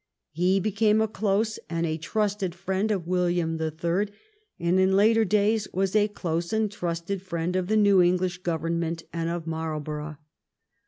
He became a close and a trusted friend of William the Third, and in later days was a dose and a trusted friend of the new English government and of Marlborough.